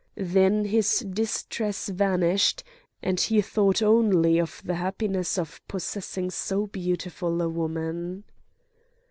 Then his distress vanished, and he thought only of the happiness of possessing so beautiful a woman.